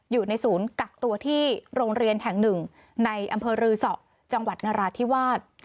อยู่ในศูนย์กักตัวที่โรงเรียนแห่งหนึ่งในอำเภอรือสอจังหวัดนราธิวาส